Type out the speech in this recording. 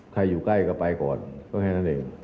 อยู่ใกล้ก็ไปก่อนก็แค่นั้นเอง